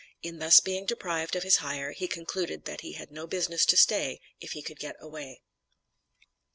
In thus being deprived of his hire, he concluded that he had no business to stay if he could get away.